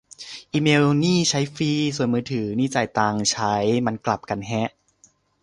อีเมล์นี่ใช้ฟรี ส่วนมือถือ นี่จ่ายตังค์ใช้ มันกลับกันแฮะ